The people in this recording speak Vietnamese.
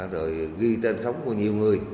rồi ghi tên khống của nhiều người